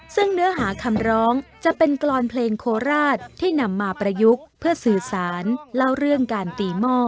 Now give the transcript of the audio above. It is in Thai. ซึ่งเนื้อหาคำร้องจะเป็นกรอนเพลงโคราชที่นำมาประยุกต์เพื่อสื่อสารเล่าเรื่องการตีหม้อ